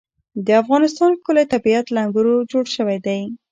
د افغانستان ښکلی طبیعت له انګورو جوړ شوی دی.